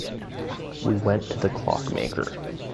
We went to the clockmaker.